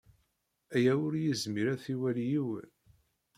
Aya ur yezmir ad t-ilawi yiwen!